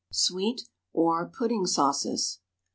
SWEET, OR PUDDING SAUCES.